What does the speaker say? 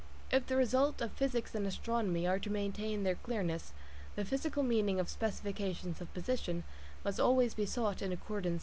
If the results of physics and astronomy are to maintain their clearness, the physical meaning of specifications of position must always be sought in accordance with the above considerations.